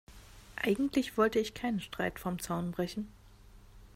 Eigentlich wollte ich keinen Streit vom Zaun brechen.